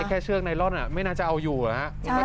แค่เชือกไนลอนอ่ะไม่น่าจะเอาอยู่นะฮะใช่